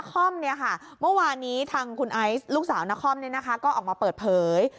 นครเนี่ยค่ะเมื่อวานนี้ทางคุณไอซ์ลูกสาวนครเนี่ยนะคะก็ออกมาเปิดเผย